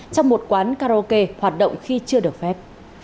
trong một quán karaoke hoạt động khi chưa được phép